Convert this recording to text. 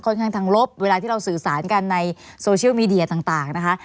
ข้างทางลบเวลาที่เราสื่อสารกันในโซเชียลมีเดียต่างนะคะ